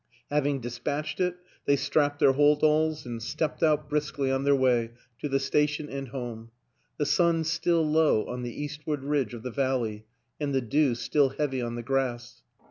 Having dispatched it, they strapped their hold alls and stepped out briskly on their way to the station and home the sun still low on the eastward ridge of the valley and the dew still heavy on the grass.